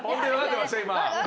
今。